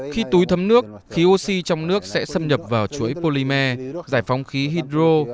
khi túi thấm nước khí oxy trong nước sẽ xâm nhập vào chuỗi polymer giải phóng khí hydro